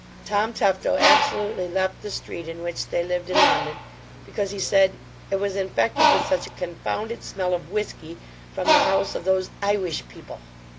Tom Tufto absolutely left the street in which they lived in London, because he said 'it was infected with such a confounded smell of whisky from the house of those IWISH people.'